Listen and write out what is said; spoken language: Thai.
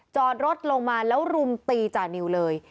จอดรถลงมาแล้วรุมตีจานิวเลย